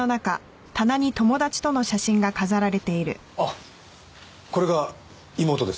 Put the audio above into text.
あっこれが妹です。